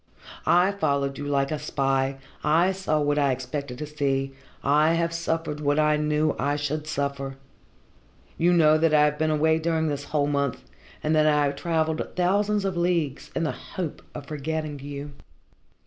I followed you like a spy, I saw what I expected to see, I have suffered what I knew I should suffer. You know that I have been away during this whole month, and that I have travelled thousands of leagues in the hope of forgetting you."